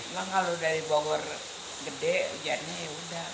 bang kalau dari bogor gede hujannya ya udah